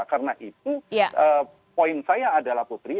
karena itu poin saya adalah putri